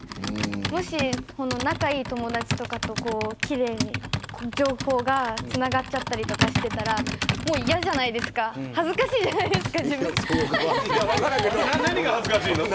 もし仲がいい友達とかと情報がつながっちゃったりとかしてたら嫌じゃないですか恥ずかしいじゃないですか。